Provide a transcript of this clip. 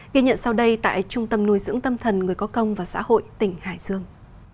ghi nhận sau đây tại trung tâm nuôi dưỡng tâm thần người có công và xã hội tỉnh hải dương